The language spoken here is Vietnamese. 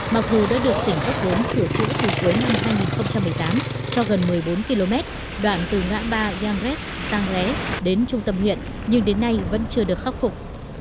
mặc dù đã được tỉnh góp vốn sửa chữa từ cuối năm hai nghìn một mươi tám cho gần một mươi bốn km đoạn từ ngã ba yang rét giang ré đến trung tâm huyện nhưng đến nay vẫn chưa được khắc phục